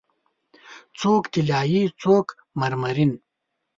څوک طلایې، څوک مرمرین